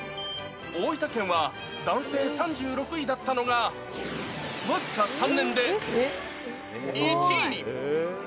大分県は男性３６位だったのが、僅か３年で、１位に。